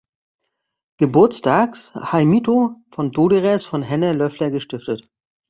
Geburtstags Heimito von Doderers von Henner Löffler gestiftet.